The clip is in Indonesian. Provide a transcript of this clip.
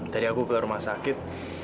tadi aku ke rumah sakit